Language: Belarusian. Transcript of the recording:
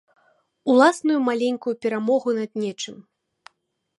Уласную маленькую перамогу над нечым.